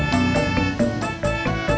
bang kopinya nanti aja ya